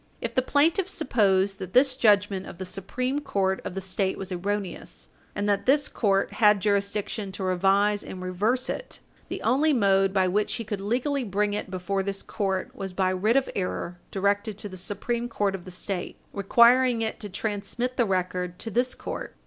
If the plaintiff supposed that this judgment of the Supreme Court of the State was erroneous, and that this court had jurisdiction to revise and reverse it, the only mode by which he could legally bring it before this court was by writ of error directed to the Supreme Court of the State, requiring it to transmit the record to this court.